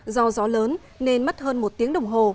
do gió lớn nên mất hơn một tiếng đồng hồ